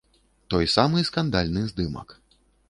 Той самы скандальны здымак.